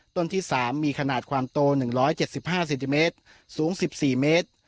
ต้นที่สามมีขนาดความโตหนึ่งร้อยเจ็ดสิบห้าเซนติเมตรสูงสิบสี่เมตร